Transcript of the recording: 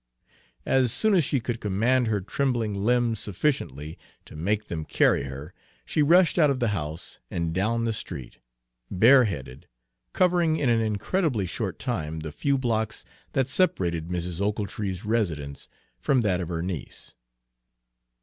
As soon as she could command her trembling limbs sufficiently to make them carry her, she rushed out of the house and down the street, bareheaded, covering in an incredibly short time the few blocks that separated Mrs. Ochiltree's residence from that of her niece.